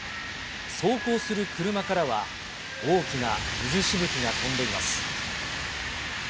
走行する車からは大きな水しぶきが飛んでいます。